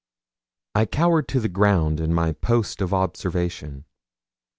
I cowered to the ground in my post of observation.